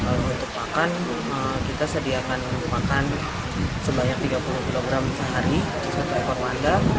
lalu untuk pakan kita sediakan makan sebanyak tiga puluh kilogram sehari untuk satu hewan panda